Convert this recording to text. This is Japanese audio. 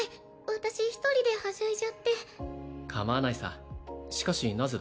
私一人ではしゃいじゃってかまわないさしかしなぜだ？